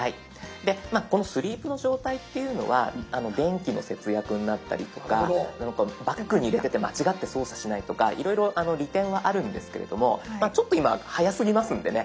このスリープの状態っていうのは電気の節約になったりとかバッグに入れてて間違って操作しないとかいろいろ利点はあるんですけれどもちょっと今早すぎますんでね